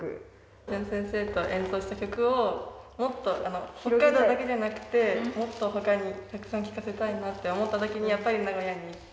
淳先生と演奏した曲をもっと北海道だけじゃなくてもっと他にたくさん聴かせたいなって思った時にやっぱり名古屋に行って。